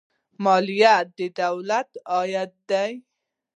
مالیه د دولت عاید دی